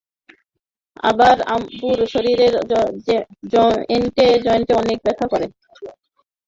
আমার আব্বুর শরীরের জয়েন্টে জয়েন্টে অনেক ব্যথা করে।